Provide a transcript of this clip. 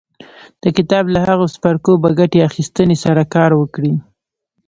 د کتاب له هغو څپرکو په ګټې اخيستنې سره کار وکړئ.